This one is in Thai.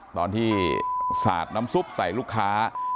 ตอนที่สาดน้ำซุปใส่ลูกค้า